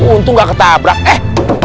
untung gak ketabrak eh